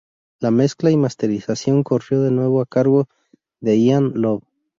La mezcla y masterización corrió de nuevo a cargo de Ian Love.